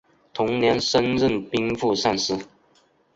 同年升任兵部尚书。